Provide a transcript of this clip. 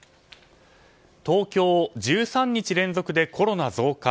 東京、１３日連続でコロナ増加。